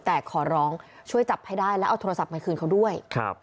แต่ขอร้องช่วยจับให้ได้แล้วเอาโทรศัพท์มาคืนเขาด้วย